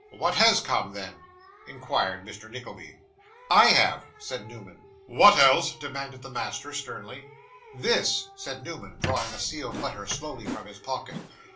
'What HAS come, then?' inquired Mr. Nickleby. 'I have,' said Newman. 'What else?' demanded the master, sternly. 'This,' said Newman, drawing a sealed letter slowly from his pocket.